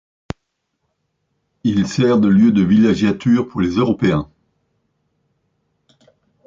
Il sert de lieu de villégiatures pour les Européens.